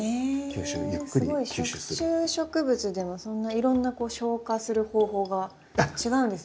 食虫植物でもそんないろんな消化する方法が違うんですね。